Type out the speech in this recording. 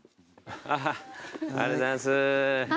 ありがとうございます。